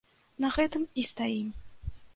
На гэтым і стаім.